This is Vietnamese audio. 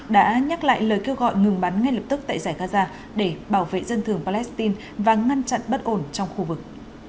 đã nhắc lại lời kêu gọi ngừng bắn ngay lập tức tại giải gaza để bảo vệ dân thường palestine và ngăn chặn bất ổn trong khu vực